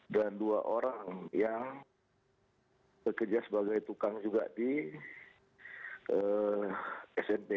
dua orang yang bekerja sebagai tukang juga di smp